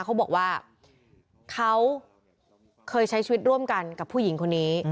เขาบอกว่าเขาเคยใช้ชีวิตร่วมกันกับผู้หญิงคนนี้